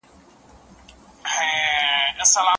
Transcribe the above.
موټر چلونکی د خپل کار د برکت لپاره دعا کوي.